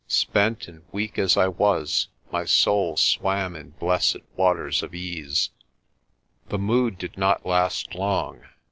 Spent and weak as I was, my soul swam in blessed waters of ease. The mood did not last long.